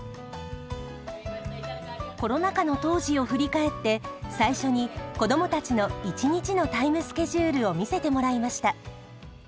コロナ禍の当時を振り返って最初に子どもたちの１日のタイムスケジュールを見せてもらいました。